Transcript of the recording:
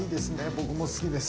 僕も好きです。